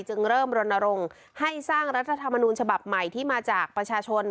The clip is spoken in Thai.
จึงเริ่มรณรงค์ให้สร้างรัฐธรรมนูญฉบับใหม่ที่มาจากประชาชน